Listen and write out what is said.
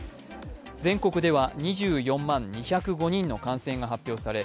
全国では２４万２０５人の感染が発表され、